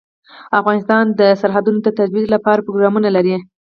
افغانستان د سرحدونه د ترویج لپاره پروګرامونه لري.